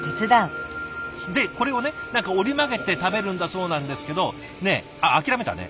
でこれをね何か折り曲げて食べるんだそうなんですけどねえああ諦めたね。